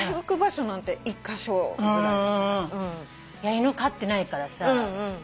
犬飼ってないからさ